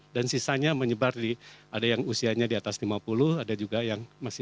dan sisanya menyebar ada yang usianya di atas lima puluh ada juga yang masih sembilan belas